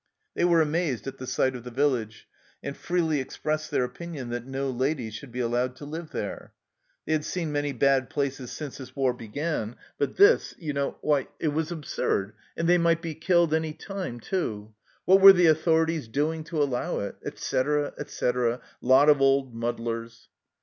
They were amazed at the sight of the village, and freely expressed their opinion that no ladies should be allowed to live there. They had seen many bad places since this war began, but this you know why, it was absurd, and they might be killed any time too! What were the authorities doing to allow it ? Etc., etc., lot of old muddlers.